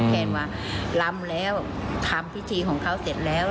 แค่ว่าลำแล้วทำพิธีของเขาเสร็จแล้ว